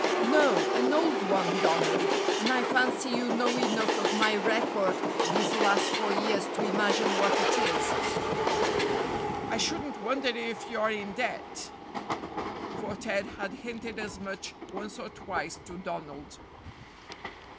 "No, an old one, Donald, and I fancy you know enough of my record these last four years to imagine what it is." "I shouldn't wonder if you're in debt," for Ted had hinted as much once or twice to Donald.